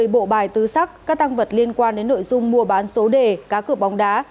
một mươi bộ bài tứ sắc các tăng vật liên quan đến nội dung mua bán số đề cá cược bóng đá